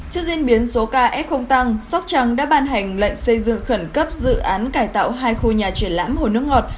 trước diễn biến số kf tăng sóc trăng đã ban hành lệnh xây dựng khẩn cấp dự án cải tạo hai khu nhà triển lãm hồ nước ngọt